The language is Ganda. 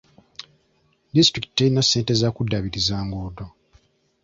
Disitulikiti terina ssente za kuddaabiriza enguudo.